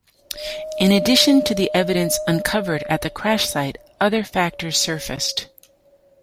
In addition to the evidence uncovered at the crash site, other factors surfaced.